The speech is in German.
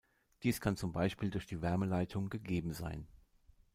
Dies kann zum Beispiel durch die Wärmeleitung gegeben sein.